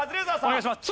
お願いします。